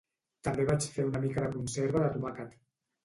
També vaig fer una mica de conserva de tomàquet.